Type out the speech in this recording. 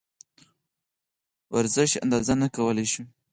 ارزش اندازه نه کولی شو.